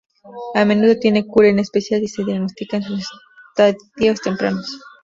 A menudo tiene cura, en especial si se diagnostica en sus estadios tempranos.